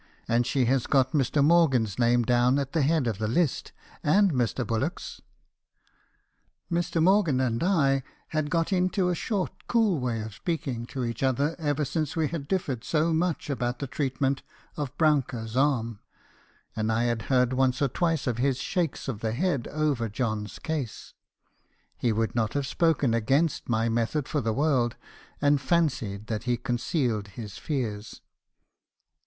And she has got Mr. Morgan's name down at the head of the list, and Mr. Bullock's' — "Mr. Morgan and I had got into a short cool way of speaking to each other ever since we had differed so much about the treatment of Brouncker's arm; and I had heard once or twice of his shakes of the head over John's case. He would not have spoken against my method for the world, and fancied that he concealed his fears.